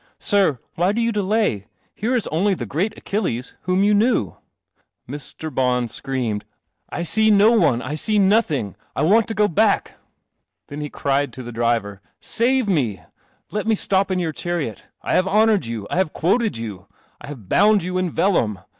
Sir, why do you del.n : H i only the great Achilles, whom you knew." \i :.: earned, " I ee DO One. 1 S i THE CELESTIAL OMNIBUS nothing. I want to go back." Then he cried to the driver, " Save me! Let me stop in your chariot. I have honoured you. I have quoted you. I have bound you in vellum.